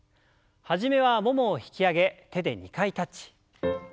初めはももを引き上げ手で２回タッチ。